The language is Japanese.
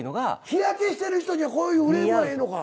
日焼けしてる人にはこういうフレームがええのか。